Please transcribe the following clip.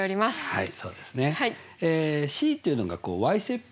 はい。